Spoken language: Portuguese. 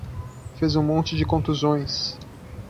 Fez um monte de contusões